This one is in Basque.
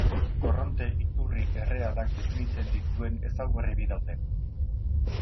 Korronte iturri errealak definitzen dituen ezaugarri bi daude.